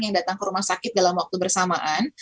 yang datang ke rumah sakit dalam waktu bersamaan